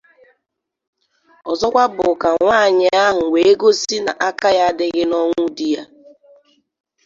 Ọzọkwa bụ ka nwaanyị ahụ wee gosi na aka ya adịghị n'ọnwụ di ya